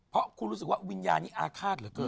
เพราะคุณรู้สึกว่าเวรยานี้อาฆาตหรือเปล่า